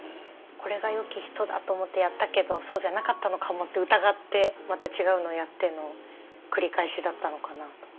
これがよき人だと思ってやったけどそうじゃなかったのかもって疑ってまた違うのをやっての繰り返しだったのかなと。